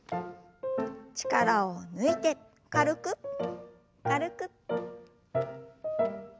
力を抜いて軽く軽く。